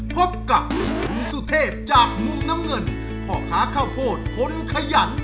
พบกับคุณสุเทพจากมุมน้ำเงินพ่อค้าข้าวโพดคนขยัน